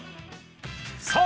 さあ